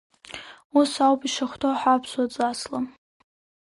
Ус ауп ишахәҭоу ҳаԥсуа ҵасла.